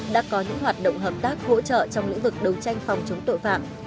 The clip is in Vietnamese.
đã có những hoạt động hợp tác hỗ trợ trong lĩnh vực đấu tranh phòng chống tội phạm